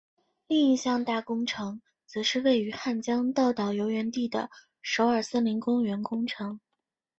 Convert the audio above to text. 另一项大工程则是位于汉江纛岛游园地的首尔森林公园工程。